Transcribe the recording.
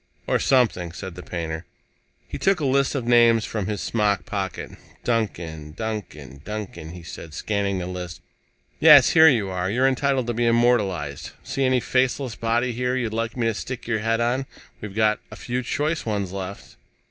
"Or something," said the painter. He took a list of names from his smock pocket. "Duncan, Duncan, Duncan," he said, scanning the list. "Yes here you are. You're entitled to be immortalized. See any faceless body here you'd like me to stick your head on? We've got a few choice ones left."